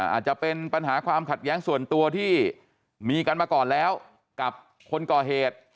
อาจจะเป็นปัญหาความขัดแย้งส่วนตัวที่มีกันมาก่อนแล้วกับคนก่อเหตุ